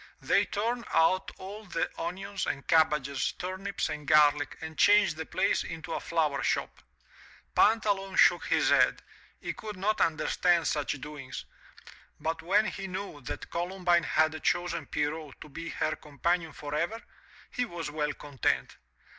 They turned out all the onions and cabbages, turnips and garlic, and changed the place into a flower shop. Pantaloon shook his head — ^he could not understand such doings — ^but when he knew that Columbine had chosen Pierrot to be her companion forever, he was well content.